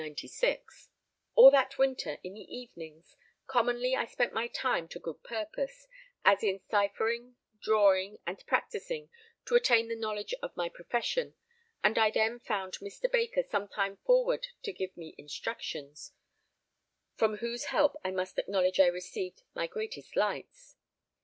All that winter, in the evenings, commonly I spent my time to good purposes, as in cyphering, drawing, and practising to attain the knowledge of my profession, and I then found Mr. Baker sometime forward to give me instructions, from whose help I must acknowledge I received my greatest lights.